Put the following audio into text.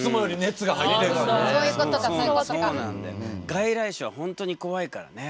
外来種は本当に怖いからね。